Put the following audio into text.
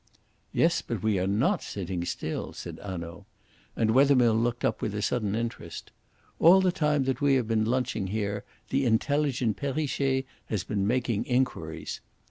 "Yes, but we are not sitting still," said Hanaud; and Wethermill looked up with a sudden interest. "All the time that we have been lunching here the intelligent Perrichet has been making inquiries.